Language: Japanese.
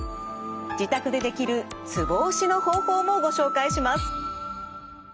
自宅でできるツボ押しの方法もご紹介します。